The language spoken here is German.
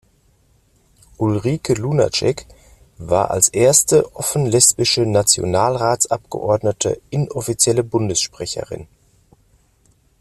Ulrike Lunacek war als erste offen lesbische Nationalratsabgeordnete inoffizielle Bundessprecherin.